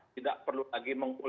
tidak perlu lagi mengultimisir